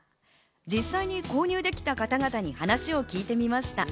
実際に購入できた方々に話を聞いてみました。